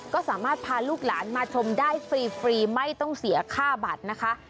ก็สามารถพาลูกหลานมาชมได้ฟรีไม่ต้องเสียค่าบัตรนะคะ